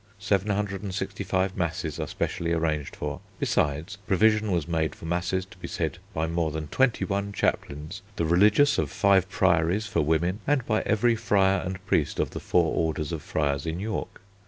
765 masses are specially arranged for; besides, provision was made for masses to be said by more than 21 chaplains, the religious of 5 priories for women, and by every friar and priest of the four orders of friars in York.